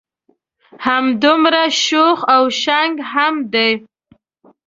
همدمره شوخ او شنګ هم دی.